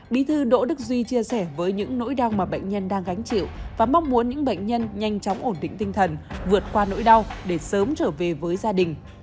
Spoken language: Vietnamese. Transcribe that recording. bí thư đỗ đức duy chia sẻ với những nỗi đau mà bệnh nhân đang gánh chịu và mong muốn những bệnh nhân nhanh chóng ổn định tinh thần vượt qua nỗi đau để sớm trở về với gia đình